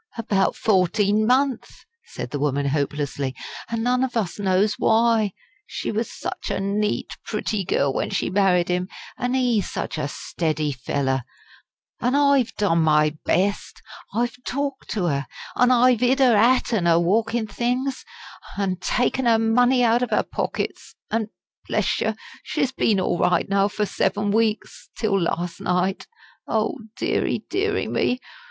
"About fourteen month," said the woman, hopelessly. "An' none of us knows why. She was such a neat, pretty girl when she married 'im an' ee such a steady fellow. An' I've done my best. I've talked to 'er, an' I've 'id 'er 'at an' her walking things, an' taken 'er money out of 'er pockets. An', bless yer, she's been all right now for seven weeks till last night. Oh, deary, deary, me!